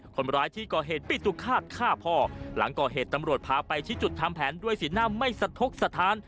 คนร้ายที่ก่อเหตุปิตุฆาตฆ่าพ่อหลังก่อเหตุตำรวจพาไปชี้จุดทำแผนด้วยสีหน้าไม่สะทกสถาน